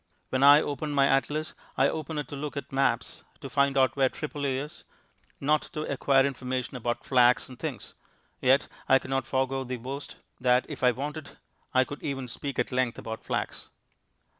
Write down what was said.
When I open my atlas I open it to look at maps to find out where Tripoli is not to acquire information about flax and things; yet I cannot forego the boast that if I wanted I could even speak at length about flax.